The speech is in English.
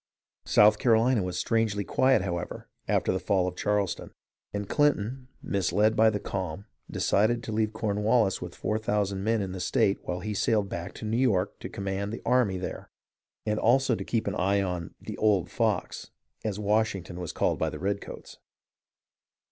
South Carolina was strangely quiet, however, after the fall of Charleston ; and Clinton, misled by the calm, decided to leave Cornwallis with four thousand men in the state while he sailed back to New York to command the army there, and also to keep an eye on " the old fox," as Wash ington was called by the redcoats.